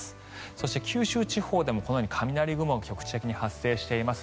そして、九州地方でも雷雲が局地的に発生しています。